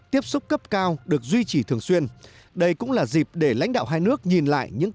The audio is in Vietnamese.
tiếp xúc cấp cao được duy trì thường xuyên đây cũng là dịp để lãnh đạo hai nước nhìn lại những